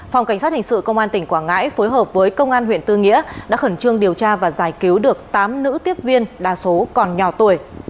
phòng cảnh sát hình sự công an tỉnh quảng ngãi phối hợp với công an huyện tư nghĩa đã khẩn trương điều tra và giải cứu được tám nữ tiếp viên đa số còn nhỏ tuổi